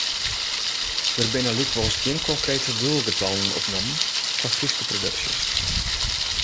Der binne lykwols gjin konkrete doelgetallen opnommen foar Fryske produksjes.